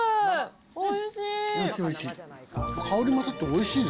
おいしい。